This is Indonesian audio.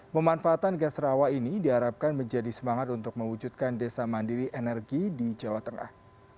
pemanfaatan gas rawa ini diharapkan menjadi semangat untuk mewujudkan desa mandiri energi di jawa tengah